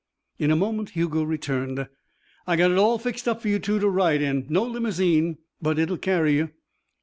In a moment Hugo returned. "I got it all fixed up for you two to ride in. No limousine, but it'll carry you."